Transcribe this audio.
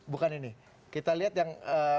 bukan ini kita lihat yang